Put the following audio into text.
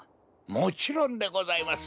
もちろんでございます